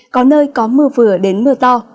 có nơi có mưa vừa đến mưa to